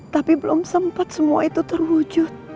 tapi belum sempat semua itu terwujud